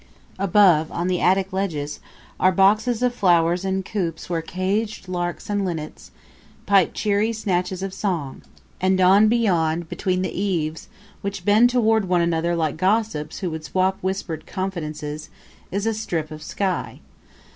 Above, on the attic ledges, are boxes of flowers and coops where caged larks and linnets pipe cheery snatches of song; and on beyond, between the eaves, which bend toward one another like gossips who would swap whispered confidences, is a strip of sky.